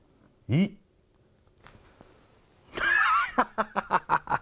ハハハハハ！